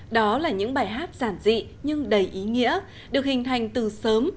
đó là những bài hát giản dị nhưng đầy ý nghĩa được hình thành từ sớm